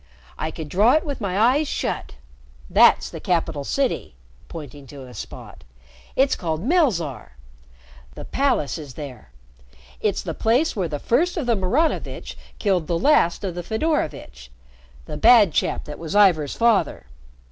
I could draw it with my eyes shut. That's the capital city," pointing to a spot. "It's called Melzarr. The palace is there. It's the place where the first of the Maranovitch killed the last of the Fedorovitch the bad chap that was Ivor's father.